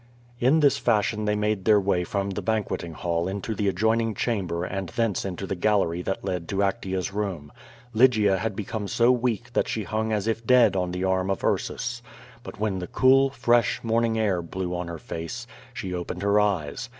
In this fashion they made their way from the banqueting hall into the adjoining chamber and thence into the gallery that led to Actea^s room. Lygia had become so weak that she hung as if dead on the arm of Ursus. But when the cool, fresh, morning air blew on her face, she opened her eyes.